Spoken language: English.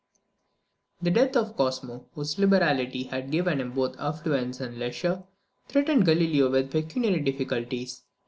The death of Cosmo, whose liberality had given him both affluence and leisure, threatened Galileo with pecuniary difficulties.